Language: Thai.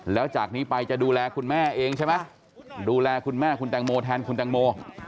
แล้วจากนี้ไปจะดูแลคุณแม่เองใช่ไหมดูแลคุณแม่คุณแตงโมแทนคุณแตงโม